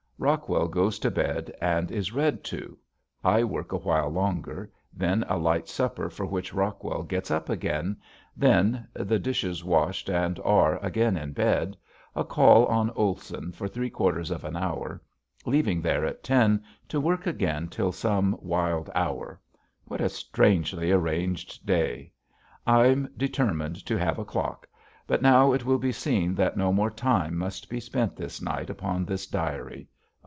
Rockwell goes to bed and is read to, I work a while longer, then a light supper for which Rockwell gets up again, then the dishes washed and R. again in bed a call on Olson for three quarters of an hour, leaving there at ten, to work again till some wild hour. What a strangely arranged day! I'm determined to have a clock. But now it will be seen that no more time must be spent this night upon this diary.